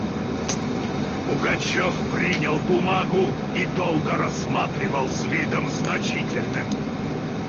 Пугачев принял бумагу и долго рассматривал с видом значительным.